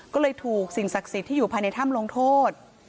ก็เลยถูกสิ่งศักดิ์สิทธิ์ที่อยู่ภายในถ้ำลงโทษ